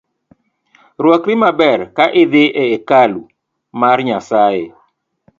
Rwakri maber ka idhii e kalu mar Nyasae